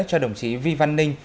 cho đồng chí vi văn ninh